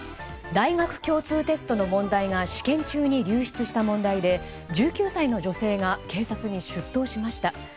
大学共通テストの問題が試験中に流出した問題で１９歳の女性が警察に出頭しました。